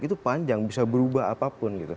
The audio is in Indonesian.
itu panjang bisa berubah apapun gitu